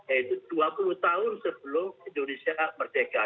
yaitu dua puluh tahun sebelum indonesia merdeka